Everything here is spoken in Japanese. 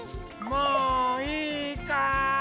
もういいかい？